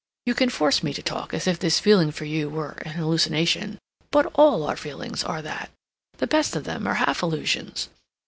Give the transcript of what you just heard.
You can force me to talk as if this feeling for you were an hallucination, but all our feelings are that. The best of them are half illusions.